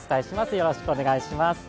よろしくお願いします。